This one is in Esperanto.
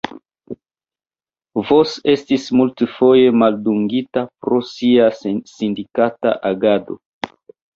Vos estis multfoje maldungita pro sia sindikata agado.